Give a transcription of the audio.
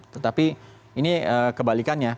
tetapi ini kebalikannya